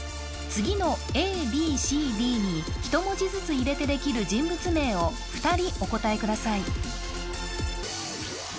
次のＡＢＣＤにひと文字ずつ入れてできる人物名を２人お答えください